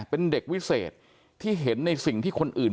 เป็นเด็กวิเศษที่เห็นในสิ่งที่คนอื่น